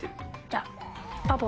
じゃあ。